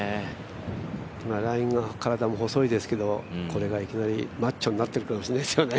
ラインが体も細いですけれども、これがいきなりマッチョになってるかもしれないですね。